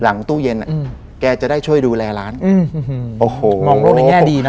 ตู้เย็นอ่ะแกจะได้ช่วยดูแลร้านอืมโอ้โหมองโลกในแง่ดีนะ